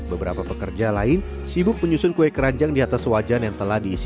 beberapa pekerja lain sibuk menyusun kue keranjang di atas wajan yang telah diisi